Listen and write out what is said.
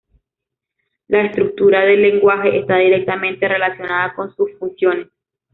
La estructura del lenguaje esta directamente relacionada con sus funciones.